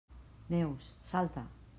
Neus, salta!